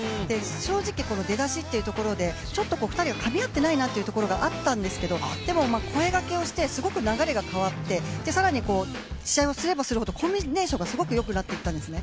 正直出だしっていうところで２人がかみ合っていないなっていうところがあったんですけどでも声がけをしてすごく流れが変わって更に、試合をすればするほどコンビネーションがよくなっていったんですね。